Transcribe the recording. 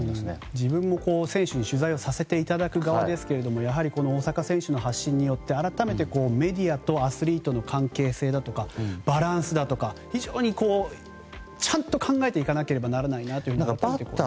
自分も選手に取材をさせていただく側ですがやはり、大坂選手の発信によって改めてメディアとアスリートの関係性だとかバランスだとか非常にちゃんと考えていかなければならないなと思いましたね。